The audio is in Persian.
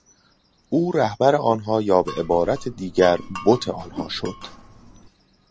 او رهبر آنها یا به عبارت دیگر بت آنها شد.